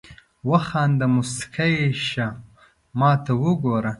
وخانده مسکی شه ماته وګوره